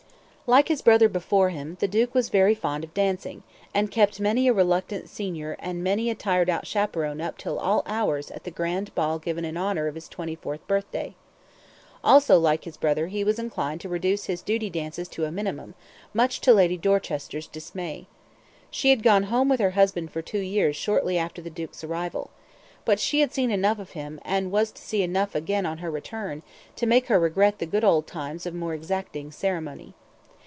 Like his brother before him the duke was very fond of dancing, and kept many a reluctant senior and many a tired out chaperone up till all hours at the grand ball given in honour of his twenty fourth birthday. Also like his brother he was inclined to reduce his duty dances to a minimum, much to Lady Dorchester's dismay. She had gone home with her husband for two years shortly after the duke's arrival. But she had seen enough of him, and was to see enough again on her return, to make her regret the good old times of more exacting ceremony.